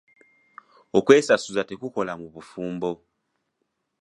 Okwesasuza tekukola mu bufumbo.